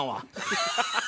ハハハハ！